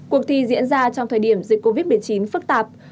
cuộc thi diễn ra trong thời điểm dịch covid một mươi chín phức tạp